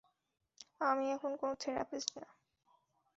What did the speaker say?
আমি এখন কোনো থেরাপিস্ট না।